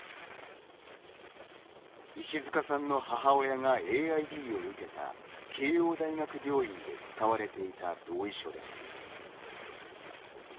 石塚さんの母親がＡＩＤを受けた慶応大学病院で使われていた同意書です。